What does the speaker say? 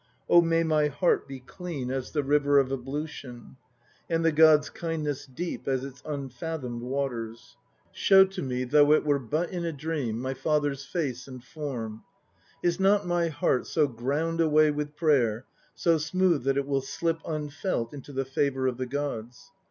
Oh may my heart be clean >A great preacher; died 1212 A.D. 45 46 THE NO PLAYS OF JAPAN As the River of Ablution ;* And the God's kindness deep As its unfathomed waters. Show to me, Though it were but in dream, My father's face and form. Is not my heart so ground away with prayer, So smooth that it will slip Unfelt into the favour of the gods?